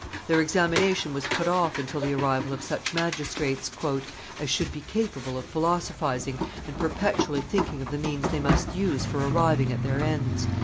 Their examination was put off until the arrival of such magistrates "as should be capable of philosophizing and perpetually thinking of the means they must use for arriving at their ends."